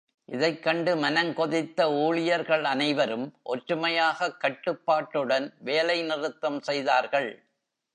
இதைக் கண்டு மனங்கொதித்த ஊழியர்கள் அனைவரும் ஒற்றுமையாகக் கட்டுப்பாட்டுடன் வேலைநிறுத்தம் செய்தார்கள்.